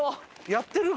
やってる！